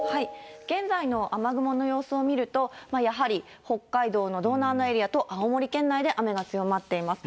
現在の雨雲の様子を見ると、やはり北海道の道南のエリアと青森県内で雨が強まっています。